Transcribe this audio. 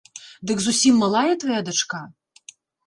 Дык зусім малая твая дачка?